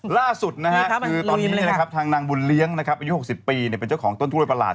ล่าสุดนะครับคือทางนางบุญเลี้ยงอายุ๖๐ปีเป็นเจ้าของต้นกล้วยประหลาด